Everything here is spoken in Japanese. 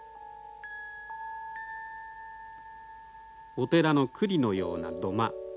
お寺の庫裏のような土間。